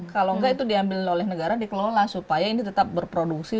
kalau enggak itu diambil oleh negara dikelola supaya ini tetap berproduksi